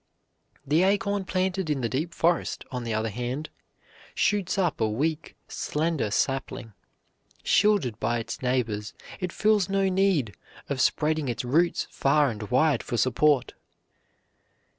The acorn planted in the deep forest, on the other hand, shoots up a weak, slender sapling. Shielded by its neighbors, it feels no need of spreading its roots far and wide for support.